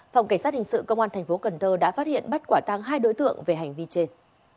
phòng cảnh sát hình sự công an tp cn đã phát hiện bắt quả tăng hai đối tượng về hành vi trên